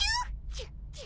チュチュ。